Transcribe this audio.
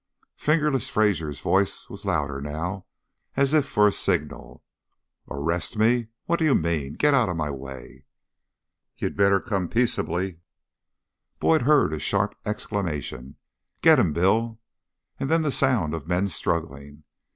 "Fingerless" Fraser's voice was louder now, as if for a signal. "Arrest me? What do you mean? Get out of my way." "You'd better come peaceably." Boyd heard a sharp exclamation "Get him, Bill!" And then the sound of men struggling.